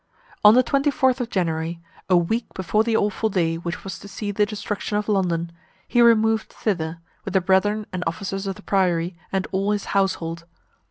On the 24th of January, a week before the awful day which was to see the destruction of London, he removed thither, with the brethren and officers of the priory and all his household.